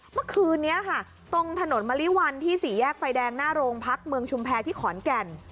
เมื่อคืนนี้ค่ะตรงถนนมะลิวันที่สี่แยกไฟแดงหน้าโรงพักเมืองชุมแพรที่ขอนแก่น